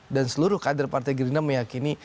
dan seluruh kader partai gerindra meyakini